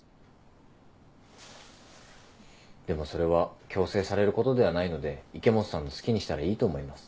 でもそれは強制されることではないので池本さんの好きにしたらいいと思います。